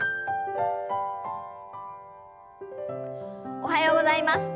おはようございます。